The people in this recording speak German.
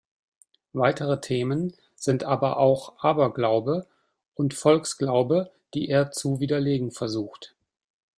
Weitere Themen sind aber auch Aberglaube und Volksglaube, die er zu widerlegen versucht.